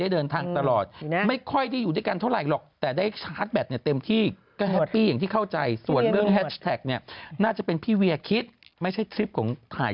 เดี๋ยวดูรูปกันให้นำใจกันไม่ใช่ไอแลนด์ทำแทนมีราคา